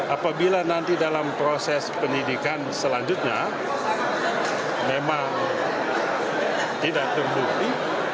apabila nanti dalam proses pendidikan selanjutnya memang tidak terbukti